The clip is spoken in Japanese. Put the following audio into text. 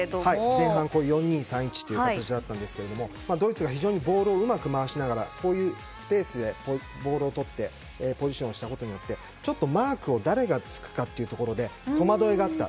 前半４−２−３−１という形だったんですがドイツが非常にボールをうまく回しながらスペースでボールをとってポジションをしたことによってマークを誰がつくかというところで戸惑いがあった。